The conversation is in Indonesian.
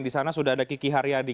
di sana sudah ada kiki haryadi